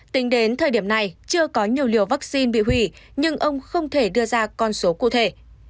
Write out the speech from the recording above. tính đến thời điểm này chưa có nhiều liều vaccine bị hủy nhưng ông không thể đưa ra con số cụ thể